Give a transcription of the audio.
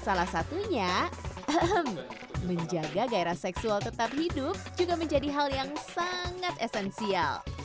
salah satunya menjaga gairah seksual tetap hidup juga menjadi hal yang sangat esensial